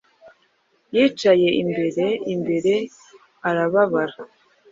Yaricaye, imbere imbere arababara